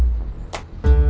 ya pak juna